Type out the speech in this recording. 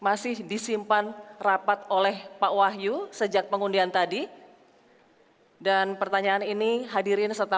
masih disimpan rapat oleh pak wahyu sejak pengundian tadi dan pertanyaan ini hadirin serta